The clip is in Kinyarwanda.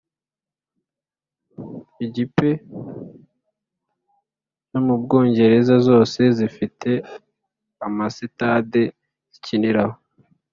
Igipe zomubwongereza zose zifite amasitade zikiniraho